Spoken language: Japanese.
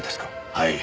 はい。